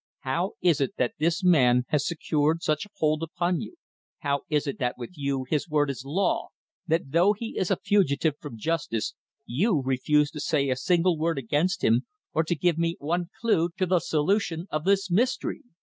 How is it that this man has secured such a hold upon you how is it that with you his word is law that though he is a fugitive from justice you refuse to say a single word against him or to give me one clue to the solution of this mystery?"